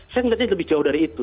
saya melihatnya lebih jauh dari itu